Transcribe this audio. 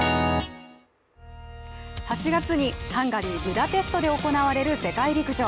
８月にハンガリー・ブダペストで行われる世界陸上。